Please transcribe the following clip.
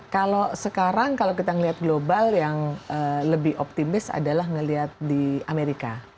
kalau sekarang kalau kita melihat global yang lebih optimis adalah melihat di amerika